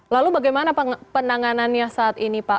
lalu bagaimana penanganannya saat ini pak